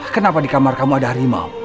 kenapa di kamar kamu ada harimau